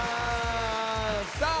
さあ